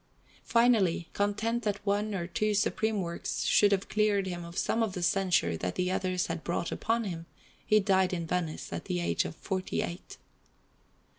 Finally, content that one or two supreme works should have cleared him of some of the censure that the others had brought upon him, he died in Venice at the age of forty eight.